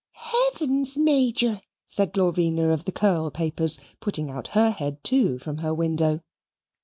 "Heavens, Meejor!" said Glorvina of the curl papers, putting out her head too, from her window.